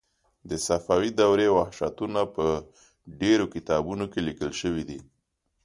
د صفوي دورې وحشتونه په ډېرو کتابونو کې لیکل شوي دي.